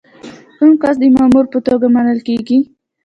کوم کس د مامور په توګه منل کیږي؟